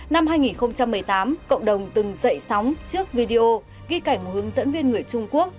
năm hai nghìn một mươi tám cộng đồng từng dậy sóng trước video ghi cảnh một hướng dẫn viên người trung quốc